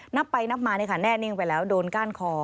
นับไปนับมาแน่นิ่งไปแล้วโดนก้านคอ